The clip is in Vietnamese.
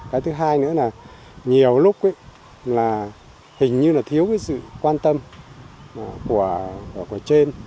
cái thứ hai nữa là nhiều lúc là hình như là thiếu cái sự quan tâm của trên